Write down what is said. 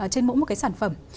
trên mỗi một cái sản phẩm